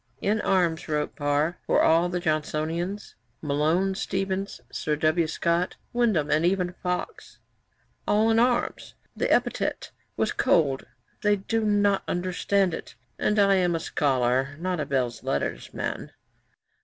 'In arms,' wrote Parr, 'were all the Johnsonians: Malone, Steevens, Sir W. Scott, Windham, and even Fox, all in arms. The epithet was cold. They do not understand it, and I am a Scholar, not a Belles Lettres man.'